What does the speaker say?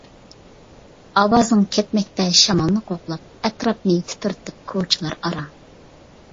ئاۋازىڭ كەتمەكتە شامالنى قوغلاپ، ئەتراپنى تىترىتىپ كوچىلار ئارا.